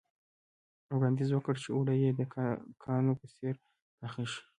وړانديز وکړ چې اوړه دې د کاکونو په څېر پاخه شي.